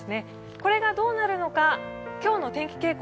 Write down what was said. これがどうなるのか今日の天気傾向